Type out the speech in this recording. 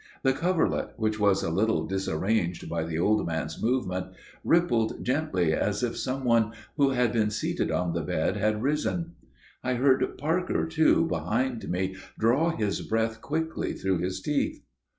The coverlet, which was a little disarranged by the old man's movement, rippled gently as if some one who had been seated on the bed had risen. I heard Parker, too, behind me draw his breath quickly through his teeth.